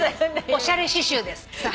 おしゃれ刺しゅうですって。